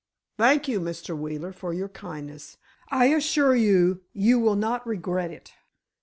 "Thank you, Mr. Wheeler, for your kindness. I assure you you will not regret it."